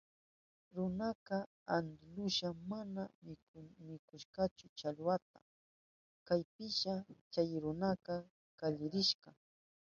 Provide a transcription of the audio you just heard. Runaka antsilushpan mana mikurkachu challwaka. Chaypiña chay runaka killarirka.